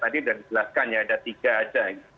tadi sudah dijelaskan ya ada tiga aja